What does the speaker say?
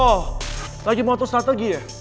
oh lagi mau atur strategi ya